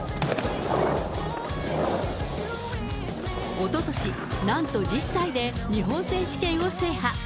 おととし、なんと１０歳で日本選手権を制覇。